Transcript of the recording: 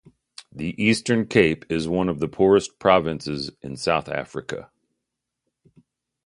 The Eastern Cape is one of the poorest provinces in South Africa.